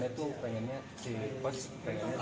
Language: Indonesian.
sekarang di mana